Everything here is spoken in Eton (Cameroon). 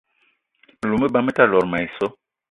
Me lou me ba me ta lot mayi so.